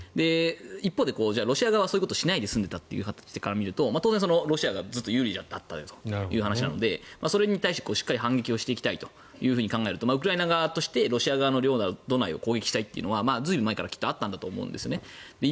一方で、ロシア側はそういったことをしないで済んでいたことを考えるとロシアが有利だったという話なのでそれに対して反撃していきたいとなるとウクライナ側としてロシア領内を攻撃したいというのは随分前からあったと思うんですね。